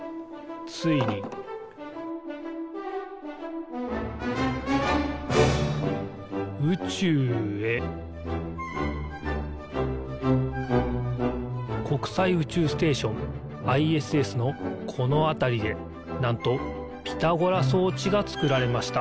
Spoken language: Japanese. ついに宇宙へ国際宇宙ステーションＩＳＳのこのあたりでなんとピタゴラそうちがつくられました。